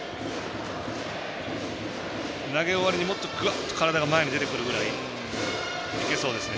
投げ終わりに、もっと、ぐわっと体が前に出てくるぐらい振り切れそうですね。